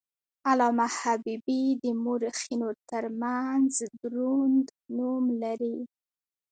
علامه حبیبي د مورخینو ترمنځ دروند نوم لري.